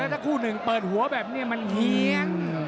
นี่ตามคู่๑บอกนะถ้าคู่๑เปิดหัวแบบนี้มันเหี้ยง